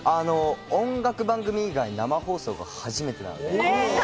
音楽番組以外、生放送が初めてなので。